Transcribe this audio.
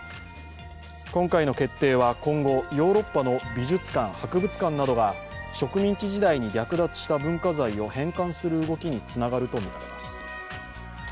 今回の決定は今後ヨーロッパの美術館、博物館などが植民地時代に略奪した文化財を返還する動きにつながるとみられます。